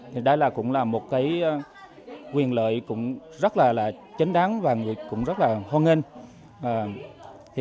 thì đây cũng là một quyền lợi rất là chấn đáng và rất là hôn nghênh